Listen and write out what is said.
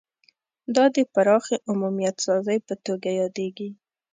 دا د پراخې عمومیت سازۍ په توګه یادیږي